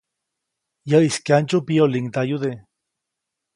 Yäʼis kyandsyu mbiyoliŋdayude.